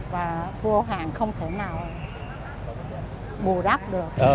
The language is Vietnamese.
và vô hạn không thể nào bù rắp được